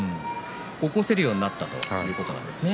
起こせるようになったということですね。